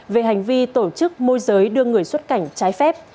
về hành vi tổ chức môi giới đưa người xuất cảnh trái phép